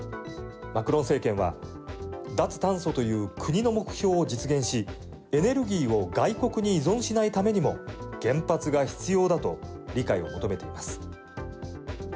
マクロン政権は脱炭素という国の目標を実現しエネルギーを外国に依存しないためにも原発が必要だと理解を求めています。